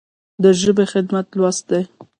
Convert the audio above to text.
د ژبې خدمت لوست دی.